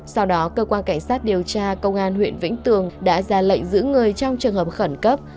sau đó cơ quan cảnh sát điều tra công an huyện vĩnh tường đã ra lệnh giữ người trong trường hợp khẩn cấp